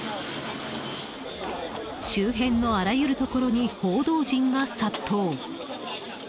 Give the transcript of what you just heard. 周辺のあらゆるところに報道陣が殺到。